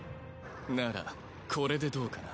ならこれでどうかな？